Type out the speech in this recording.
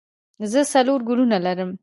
زه څلور ګلونه لرم.